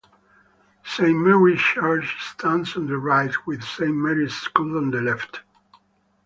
Saint Mary's Church stands on the right, with Saint Mary's School on the left.